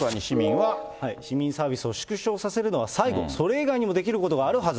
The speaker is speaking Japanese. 市民サービスを縮小させるのは最後、それ以外にもできることがあるはず。